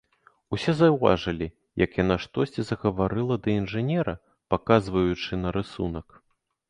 Усе заўважылі, як яна штосьці загаварыла да інжынера, паказваючы на рысунак.